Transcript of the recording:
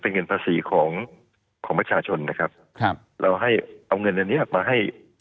เป็นเงินภาษีของของประชาชนนะครับครับเราให้เอาเงินอันเนี้ยมาให้